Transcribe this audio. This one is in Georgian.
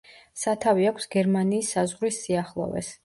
სათავე აქვს გერმანიის საზღვრის სიახლოვეს.